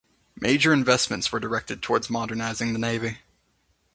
Major investments were directed towards modernizing the navy.